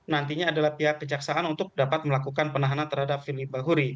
nantinya adalah pihak kejaksaan untuk dapat melakukan penahanan terhadap finly bahuri